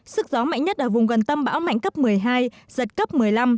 sức gió mạnh nhất ở vùng gần tâm bão mạnh cấp một mươi hai giật cấp một mươi năm